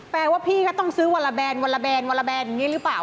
แปลว่าพี่ก็ต้องซื้อวาราแบนอย่างนี้หรือเปล่า